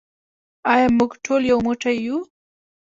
آیا موږ ټول یو موټی یو؟